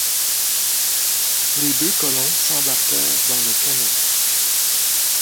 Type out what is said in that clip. Les deux colons s’embarquèrent dans le canot.